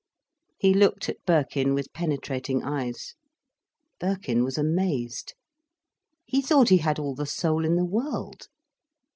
He looked at Birkin with penetrating eyes. Birkin was amazed. He thought he had all the soul in the world.